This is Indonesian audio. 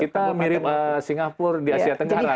kita mirip singapura di asia tenggara